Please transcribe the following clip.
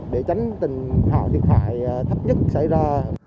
để tránh tình hạn thiệt hại thấp nhất xảy ra